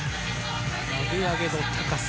投げ上げの高さ。